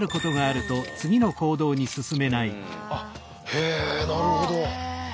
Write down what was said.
へえなるほど。